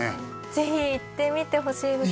ぜひ行ってみてほしいです